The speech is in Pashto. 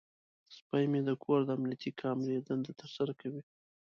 سپی مې د کور د امنیتي کامرې دنده ترسره کوي.